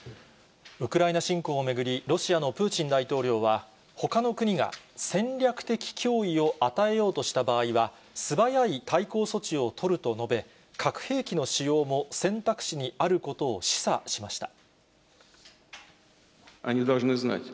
ウクライナ侵攻を巡り、ロシアのプーチン大統領は、ほかの国が戦略的脅威を与えようとした場合は、素早い対抗措置を取ると述べ、核兵器の使用も選択肢にあることを示唆しました。